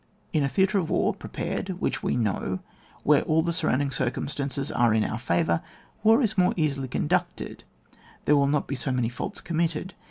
In a theatre of war prepared, which we know, where all the surrounding circum stances are in our favour, war is more easily conducted, there will not be so many faults committed.